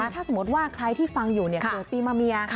ถ้าสมมติว่าใครที่ฟังอยู่เกิดปีมะเมีย